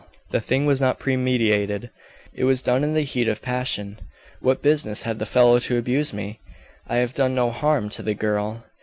The thing was not premeditated; it was done in the heat of passion. What business had the fellow to abuse me? I have done no harm to the girl.